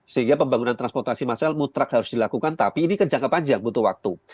sehingga pembangunan transportasi massal mutrak harus dilakukan tapi ini kejangka panjang butuh waktu